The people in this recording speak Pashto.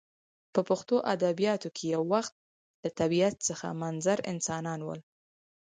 په پښتو ادبیاتو کښي یو وخت له طبیعت څخه منظر انسانان ول.